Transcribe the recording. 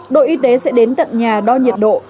đội y tế sẽ đến tận nhà đo nhiệt độ